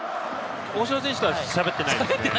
大城選手とはしゃべってないです。